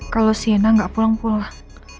kalau sienna nggak pulang pulang